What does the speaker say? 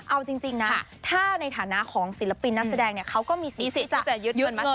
เอาจริงนะถ้าในฐานะของศิลปินนักแสดงเนี่ยเขาก็มีสิทธิที่จะยึดเงินมากขึ้น